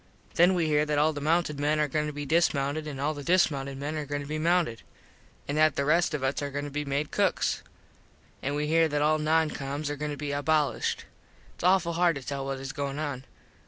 Then we here that all the mounted men are goin to be dismounted an all the dismounted men are goin to be mounted. An that the rest of us are goin to be made cooks. An we here that all non coms are goin to be abolished. Its awful hard to tell what is goin on.